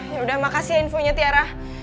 yaudah makasih ya infonya tiara